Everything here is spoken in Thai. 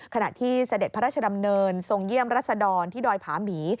ขณะที่เสด็จพระราชดำเนินทรงเยี่ยมรัศดรที่ดอยผาหมี